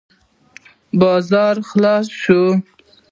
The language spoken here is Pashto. بازار خلاص شو.